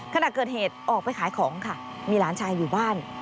ขณะเกิดเหตุออกไปขายของค่ะมีหลานชายอยู่บ้าน